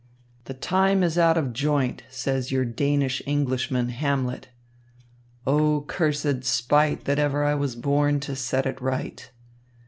'The time is out of joint,' says your Danish Englishman, Hamlet. 'O cursed spite that ever I was born to set it right.'